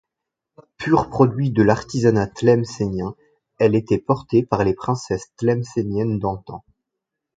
Pur produit de l'artisanat tlemcénien, elle était portée par les princesses tlemcéniennes d’antan.